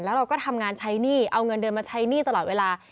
แล้วเราก็ทำงานใช้หนี้เอาเงินเดือนมาใช้หนี้ตลอดเวลา